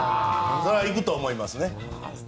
それは行くと思いますね。